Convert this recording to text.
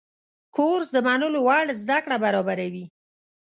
کورس د منلو وړ زده کړه برابروي.